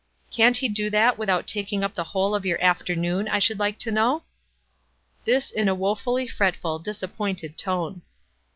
" Can't he do that without taking up the whole of your afternoon, I should like to know?" This in a woefully fretful, disappointed tone.